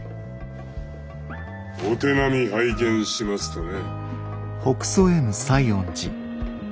「お手並み拝見します」とね。